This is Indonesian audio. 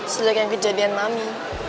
sejak yang kejadian mami